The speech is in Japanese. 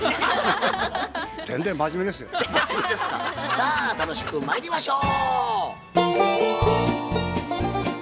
さあ楽しくまいりましょう！